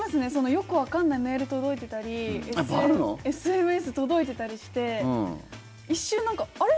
よくわかんないメール届いていたりＳＭＳ届いていたりして一瞬、なんかあれ？